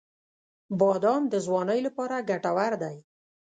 • بادام د ځوانۍ لپاره ګټور دی.